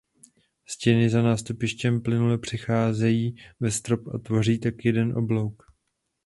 Stěny za nástupištěm plynule přecházejí ve strop a tvoří tak jeden oblouk.